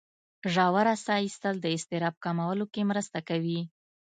ژوره ساه ایستل د اضطراب کمولو کې مرسته کوي.